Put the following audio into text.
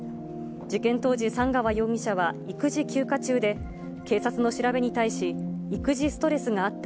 事件当時、寒川容疑者は育児休暇中で、警察の調べに対し、育児ストレスがあった。